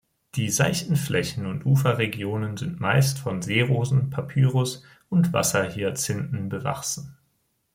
Die seichten Flächen und Uferregionen sind meist von Seerosen, Papyrus und Wasserhyazinthen bewachsen.